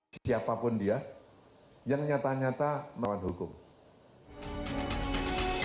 siapapun dia yang nyata nyata melawan hukum